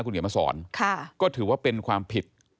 คุณเขียนมาสอนก็ถือว่าเป็นความผิด